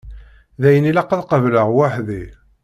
D ayen i ilaq ad qableɣ weḥd-i.